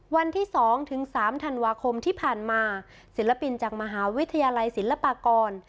วันที่๒ถึง๓ธันวาคมที่ผ่านมาศิลปินจากมหาวิทยาลัยศิลปากร